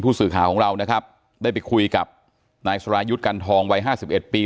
สื่อข่าวของเรานะครับได้ไปคุยกับนายสรายุทธ์กันทองวัยห้าสิบเอ็ดปี